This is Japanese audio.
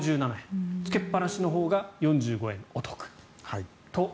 つけっぱなしのほうが４５円お得。